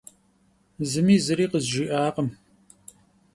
Зыми зыри къызжиӀакъым.